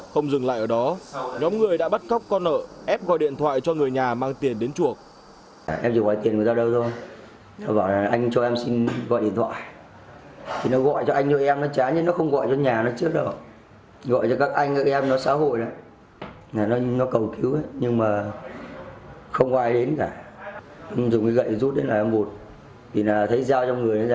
không dừng lại ở đó nhóm người đã bắt cóc con nợ ép gọi điện thoại cho người nhà mang tiền đến chuộc